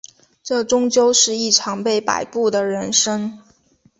这终究是一场被摆布的人生